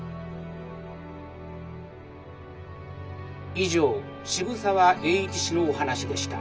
「以上渋沢栄一氏のお話でした。